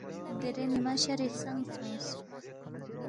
دیرے نیما شرے سانگ سونگ۔